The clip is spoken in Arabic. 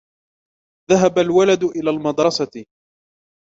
ذَهبَ الولَدُ إلى المدرَسةِ.